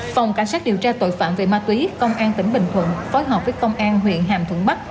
phòng cảnh sát điều tra tội phạm về ma túy công an tp hcm phối hợp với công an huyện hàm thuận bắc